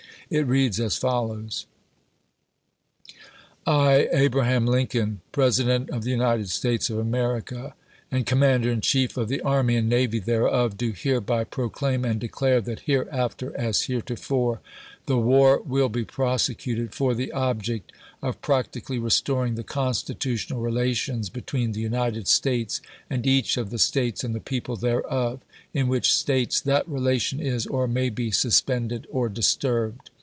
It reads as follows : I, Abraham Lincoln, President of the United States of America, and Commander in Chief of the Army and Navy thereof, do hereby proclaim and declare that here after, as heretofore, the war will be prosecuted for the object of practically restoring the constitutional rela tions between the United States and each of the States and the people thereof, in which States that relation is or may be suspended or disturbed.